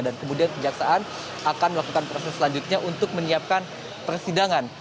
dan kemudian kejaksaan akan melakukan proses selanjutnya untuk menyiapkan persidangan